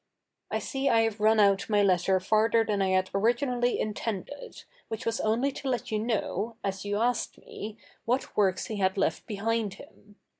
I see I have run out my letter farther than I had originally intended, which was only to let you know, as you asked me, what works he had left behind him.